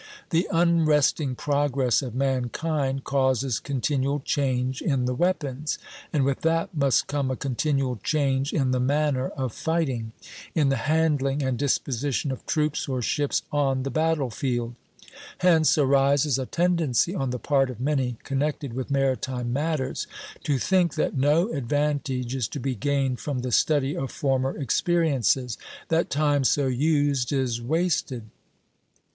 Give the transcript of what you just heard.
The unresting progress of mankind causes continual change in the weapons; and with that must come a continual change in the manner of fighting, in the handling and disposition of troops or ships on the battlefield. Hence arises a tendency on the part of many connected with maritime matters to think that no advantage is to be gained from the study of former experiences; that time so used is wasted.